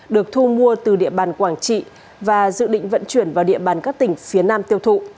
được thu mua từ địa bàn quảng trị và dự định vận chuyển vào địa bàn các tỉnh phía nam tiêu thụ